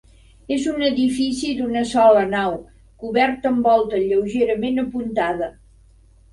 És un edifici d'una sola nau, cobert amb volta lleugerament apuntada.